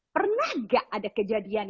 pernah nggak ada kejadian